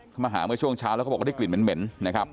เขามาหาเมื่อช่วงเช้าแล้วเขาบอกว่าได้กลิ่นเหม็นนะครับ